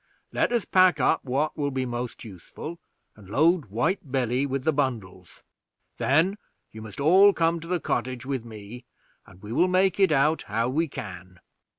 Let us pack up what will be most useful, and load White Billy with the bundles; then you must all come to the cottage with me, and we will make it out how we can."